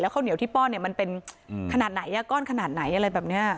ข้าวเหนียวที่ป้อนเนี่ยมันเป็นขนาดไหนก้อนขนาดไหนอะไรแบบนี้